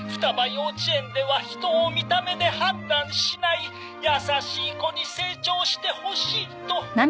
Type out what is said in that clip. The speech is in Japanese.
幼稚園では人を見た目で判断しない優しい子に成長してほしいと」